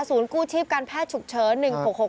กู้ชีพการแพทย์ฉุกเฉิน๑๖๖